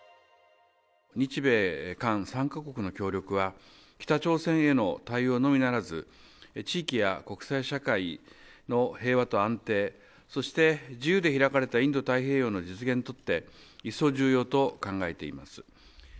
日米韓３か国の協力は、北朝鮮への対応のみならず、地域や国際社会の平和と安定、そして自由で開かれたインド太平洋の実現にとって、一層重要と考えています。